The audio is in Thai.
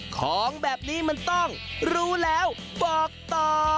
ของแบบนี้มันต้องรู้แล้วบอกต่อ